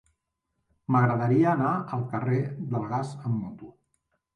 M'agradaria anar al carrer del Gas amb moto.